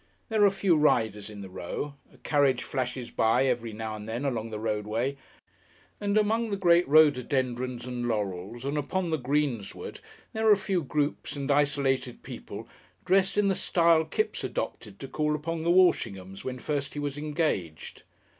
There are a few riders in the Row, a carriage flashes by every now and then along the roadway, and among the great rhododendrons and laurels and upon the greensward there are a few groups and isolated people dressed in the style Kipps adopted to call upon the Walshinghams when first he was engaged.